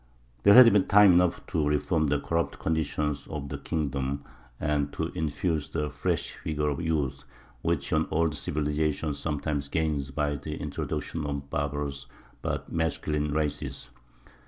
There had been time enough to reform the corrupt condition of the kingdom and to infuse the fresh vigour of youth which an old civilization sometimes gains by the introduction of barbarous but masculine races.